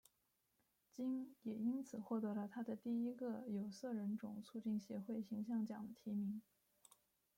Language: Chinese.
金也因此获得了她的第一个有色人种促进协会形象奖的提名。